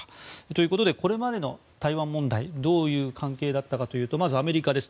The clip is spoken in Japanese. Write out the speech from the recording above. ということでこれまでの台湾問題どういう関係だったかというとまずアメリカです。